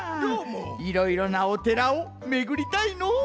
いろいろなおてらをめぐりたいのう。